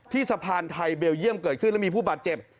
สะพานไทยเบลเยี่ยมเกิดขึ้นแล้วมีผู้บาดเจ็บ